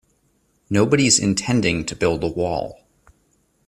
Nobody's intending to build a wall.